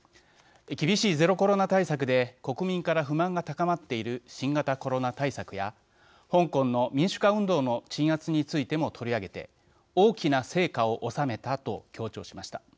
厳しいゼロコロナ対策で国民から不満が高まっている新型コロナ対策や香港の民主化運動の鎮圧についても取り上げて大きな成果を収めたと強調しました。